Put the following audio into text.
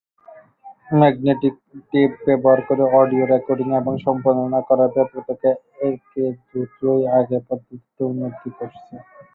Magnetic tape ব্যবহার করে audio recording এবং সম্পাদনা করার ব্যাপকতা একে দ্রুতই আগের পদ্ধতিতে উন্নত করেছে।